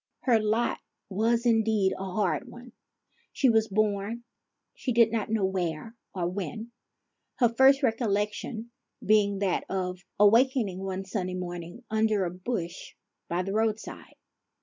Her lot was, indeed, a hard one. She was born she did not know where or when, her first recollection being that of awakening one sunny morning under a bush by the roadside.